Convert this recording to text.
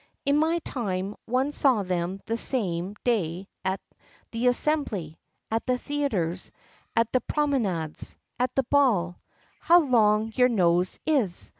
In my time, one saw them the same day at the assembly, at the theatres, at the promenades, at the ball How long your nose is!